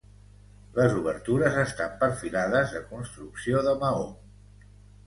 Les obertures estan perfilades de construcció de maó.